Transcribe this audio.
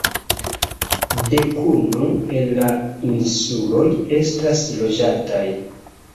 Dekunu el la insuloj estas loĝataj.